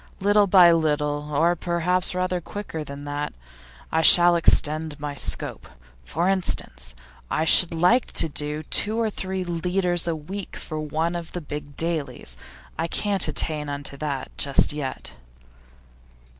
Little by little or perhaps rather quicker than that I shall extend my scope. For instance, I should like to do two or three leaders a week for one of the big dailies. I can't attain unto that just yet.